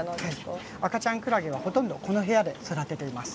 赤ちゃんクラゲはほとんどこの部屋で育てています。